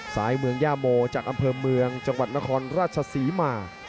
สายเมืองย่าโมจากอำเภอเมืองจังหวัดนครราชศรีมา